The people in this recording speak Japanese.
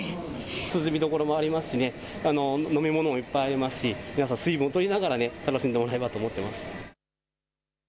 涼み処もありますし飲み物もいっぱいありますし皆さん水分をとりながら楽しんでもらえればと。